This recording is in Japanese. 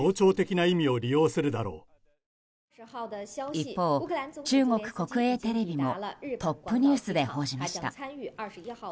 一方、中国国営テレビもトップニュースで報じました。